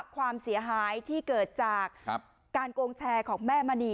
ความเสียหายที่เกิดจากการโกงแชร์ของแม่มณี